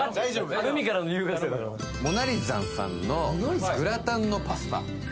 海からのモナリザンさんのグラタンのパスタ